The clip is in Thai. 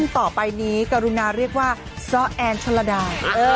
ต่อไปนี้กรุณาเรียกว่าซ้อแอนชนระดา